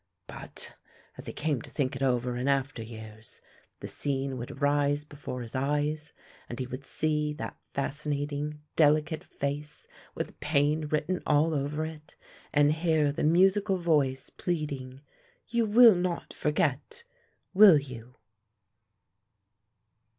But, as he came to think it over in after years, the scene would rise before his eyes, and he would see that fascinating delicate face with pain written all over it, and hear the musical voice pleading, "You will not forget, will you?"